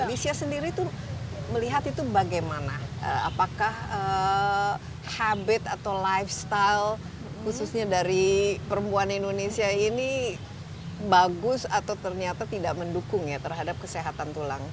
lisha sendiri itu melihat itu bagaimana apakah habit atau lifestyle khususnya dari perempuan indonesia ini bagus atau ternyata tidak mendukung ya terhadap kesehatan tulang